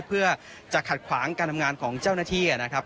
เพื่อจะขัดขวางการทำงานของเจ้าหน้าที่นะครับ